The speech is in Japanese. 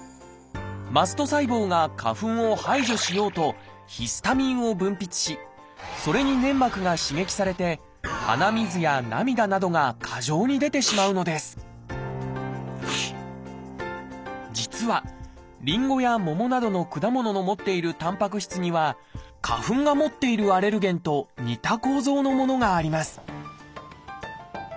マスト細胞が花粉を排除しようとヒスタミンを分泌しそれに粘膜が刺激されて鼻水や涙などが過剰に出てしまうのです実はリンゴやモモなどの果物の持っているたんぱく質には花粉が持っているアレルゲンと似た構造のものがあります